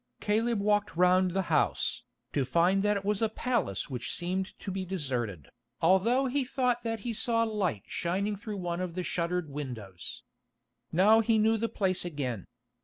Caleb walked round the house, to find that it was a palace which seemed to be deserted, although he thought that he saw light shining through one of the shuttered windows. Now he knew the place again.